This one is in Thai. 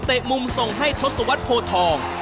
มุมส่งให้ทศวรรษโพทอง